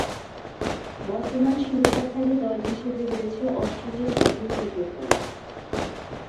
বর্তমান শিরোপাধারী দল হিসেবে রয়েছে অস্ট্রেলিয়া জাতীয় ক্রিকেট দল।